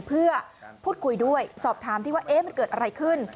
เพื่อพูดคุยด้วยสอบถามที่ว่ามันเกิดอะไรขึ้น